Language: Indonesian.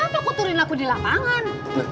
kenapa aku turunin aku di lapangan